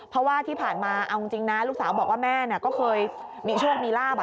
เพราะว่าที่ผ่านมาเอาจริงนะลูกสาวบอกว่าแม่ก็เคยมีโชคมีลาบ